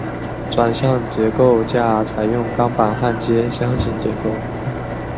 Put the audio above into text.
转向架构架采用钢板焊接箱型结构。